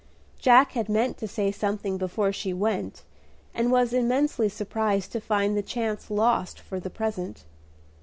Jack had meant to say something before she went, and was immensely surprised to find the chance lost for the present.